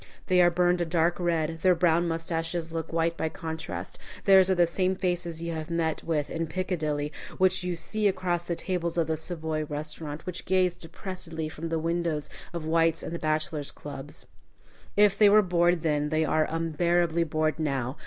They are burned a dark red; their brown mustaches look white by contrast, theirs are the same faces you have met with in Piccadilly, which you see across the tables of the Savoy restaurant, which gaze depressedly from the windows of White's and the Bachelors' Club. If they were bored then, they are unbearably bored now.